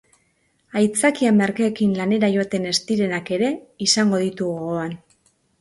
Aitzakia merkeekin lanera joaten ez direnak ere izan ditu gogoan.